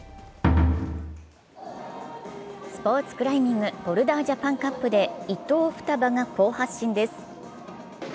スポーツクライミングボルダージャパンカップで伊藤ふたばが好発進です。